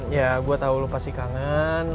ya gue tau lo pasti kangen